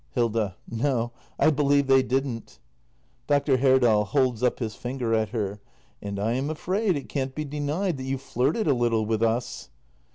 Hilda. No, I believe they didn't. Dr. Herdal. [Holds up his finger at her.] And I am afraid it can't be denied that you flirted a little with us.